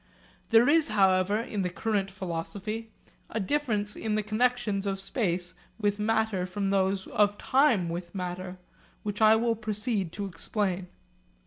There is however (in the current philosophy) a difference in the connexions of space with matter from those of time with matter, which I will proceed to explain.